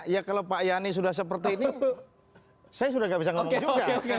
ya kalau pak yani sudah seperti ini saya sudah tidak bisa ngomong juga